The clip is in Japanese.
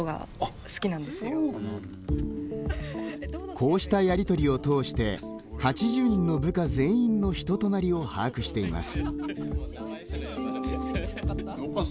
こうしたやり取りを通して８０人の部下全員の人となりを把握しています。